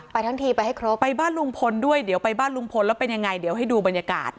ทั้งทีไปให้ครบไปบ้านลุงพลด้วยเดี๋ยวไปบ้านลุงพลแล้วเป็นยังไงเดี๋ยวให้ดูบรรยากาศ